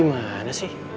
kalo bokap lo udah sembuh